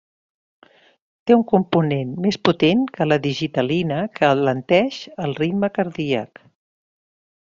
Té un component més potent que la digitalina que alenteix el ritme cardíac.